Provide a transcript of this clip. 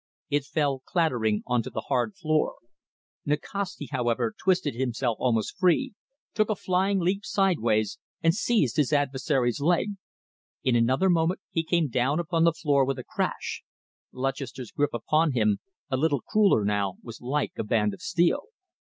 It fell clattering on to the hard floor. Nikasti, however, twisted himself almost free, took a flying leap sideways, and seized his adversary's leg. In another moment he came down upon the floor with a crash. Lutchester's grip upon him, a little crueller now, was like a band of steel.